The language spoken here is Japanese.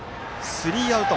スリーアウト。